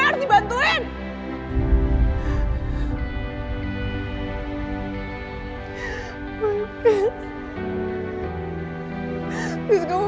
kalian tuh sadar gak sih